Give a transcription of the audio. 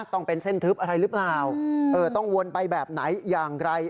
ต้องเป็นเส้นทึบอะไรหรือเปล่าต้องวนไปแบบไหนอย่างไร